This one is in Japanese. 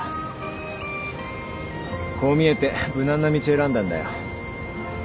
こう見えて無難な道選んだんだよ。